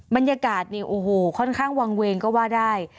บรรยากาศเนี่ยโอ้โหค่อนข้างวางเวงก็ว่าได้